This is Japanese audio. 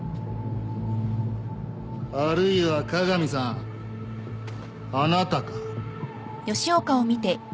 あるいは加賀美さんあなたか？